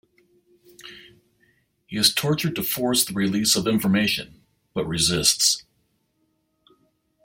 He is tortured to force the release of information, but resists.